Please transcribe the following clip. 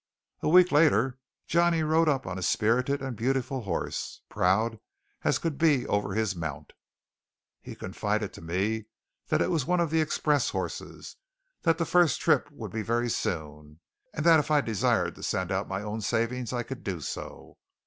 A week later Johnny rode up on a spirited and beautiful horse, proud as could be over his mount. He confided to me that it was one of the express horses; that the first trip would be very soon; and that if I desired to send out my own savings, I could do so.